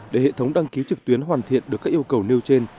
để hệ thống đăng ký trực tuyến hoàn thiện được các yêu cầu nêu trên